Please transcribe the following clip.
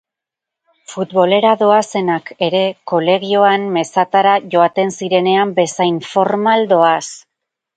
Futbolera doazenak ere kolegioan mezatara joaten zirenean bezain formal doaz.